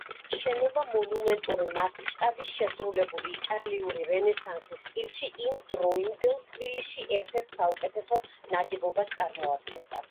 შენობა მონუმენტური მასშტაბის, შესრულებული იტალიური რენესანსის სტილში, იმ დროინდელ თბილისში ერთ-ერთი საუკეთესო ნაგებობას წარმოადგენდა.